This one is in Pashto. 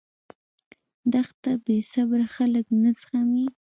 دښته بېصبره خلک نه زغمي.